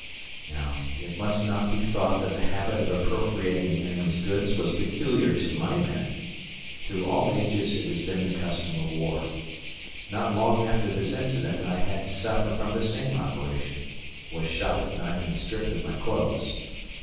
Now it must not be thought that the habit of appropriating the enemy's goods was peculiar to my men through all ages it has been to custom of war. Not long after this incident I had to suffer from the same operation was shot at night and stripped of my clothes.